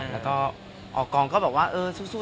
แล้วก็ออกองก็บอกว่าเออสู้